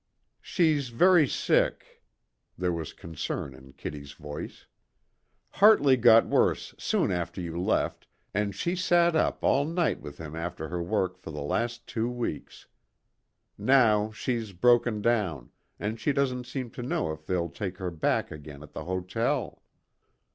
"She's very sick." There was concern in Kitty's voice. "Hartley got worse soon after you left, and she sat up all night with him after her work for the last two weeks. Now she's broken down, and she doesn't seem to know if they'll take her back again at the hotel."